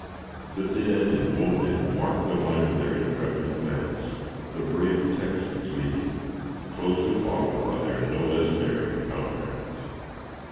The dead and wounded marked the line of their intrepid advance, the brave Texans leading, closely followed by their no less daring comrades.